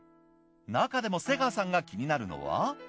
なかでも瀬川さんが気になるのは。